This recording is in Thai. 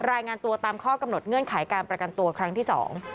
รายงานตัวตามข้อกำหนดเงื่อนไขการประกันตัวครั้งที่สอง